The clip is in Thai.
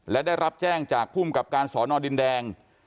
และได้รับแจ้งจากภูมิกับการสอนอดินแดง